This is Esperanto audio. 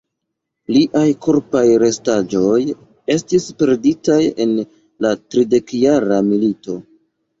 Liaj korpaj restaĵoj estis perditaj en la Tridekjara Milito.